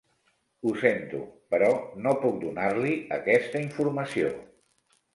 Ho sento, però no puc donar-li aquesta informació.